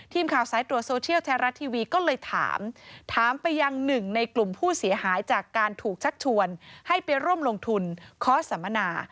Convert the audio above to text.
ทีมข่าวสายตรวจโซเชียลไทยรัฐทีวีก็เลยถามถามไปยังหนึ่งในกลุ่มผู้เสียหายจากการถูกชักชวนให้ไปร่วมลงทุนเคาะสัมมนา